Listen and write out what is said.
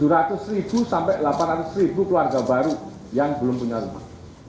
tujuh ratus ribu sampai delapan ratus ribu keluarga baru yang belum punya rumah